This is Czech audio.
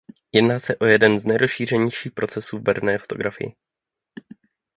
Jedná se o jeden z nejrozšířenějších procesů v barevné fotografii.